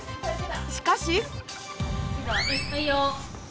しかし。